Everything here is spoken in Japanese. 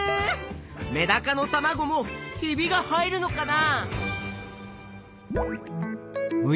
メダカのたまごもひびが入るのかな？